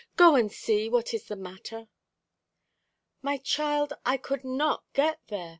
Go and see what is the matter." "My child, I could not get there.